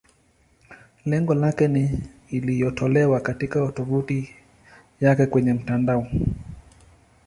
Lengo lake ni iliyotolewa katika tovuti yake kwenye mtandao.